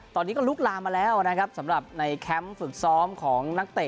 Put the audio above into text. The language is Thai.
ตอนนี้ก็ลุกลามมาแล้วนะครับสำหรับในแคมป์ฝึกซ้อมของนักเตะ